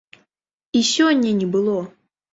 І сёння не было!